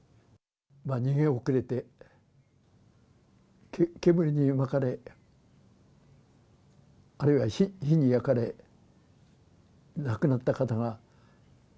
逃げ遅れて、煙に巻かれ、あるいは火に焼かれ亡くなった方が。